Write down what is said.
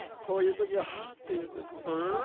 こういうときは「はあ」っていうんです。